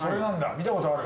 見たことある。